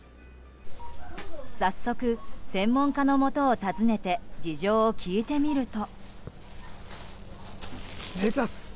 早速、専門家のもとを訪ねて事情を聴いてみると。